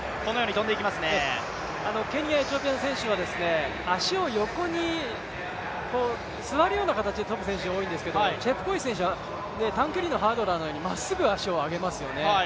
ケニア、エチオピアの選手は足を横に、座るような形で跳ぶ選手が多いんですけれども、チェプコエチ選手は短距離のハードルのように跳んでいますね。